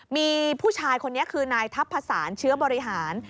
มีผู้ชายคนนี้คือนายทัพพสารเชื้อบริหาร